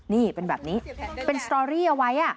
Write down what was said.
นี่เป็นแบบนี้เป็นสตอรี่เอาไว้